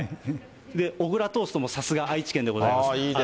小倉トーストも、さすが愛知県でございます。